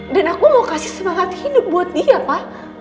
dan aku mau kasih semangat hidup buat dia pa